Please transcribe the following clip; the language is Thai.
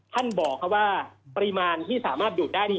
ท่านบอกว่าปริมาณที่สามารถดูดได้